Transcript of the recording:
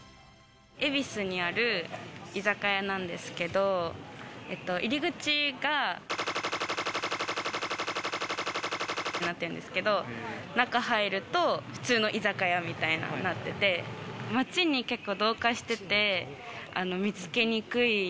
恵比寿にある居酒屋なんですけど、入り口がになってるんですけど、中入ると普通の居酒屋みたいになってて街に同化してて、見つけにくい。